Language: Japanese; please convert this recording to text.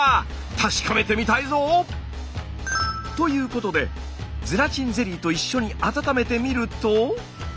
確かめてみたいぞ！ということでゼラチンゼリーと一緒に温めてみると。